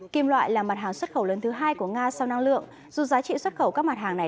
kim loại là mặt hàng xuất khẩu lớn thứ hai của nga sau năng lượng dù giá trị xuất khẩu các mặt hàng này